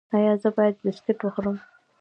ایا زه باید بسکټ وخورم؟